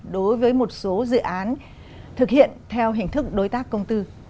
đối với một số dự án thực hiện theo hình thức đối tác công tư